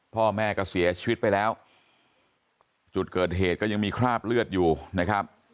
พ่อแม่ก็เสียชีวิตไปแล้วจุดเกิดเหตุก็ยังมีคราบเลือดอยู่นะครับ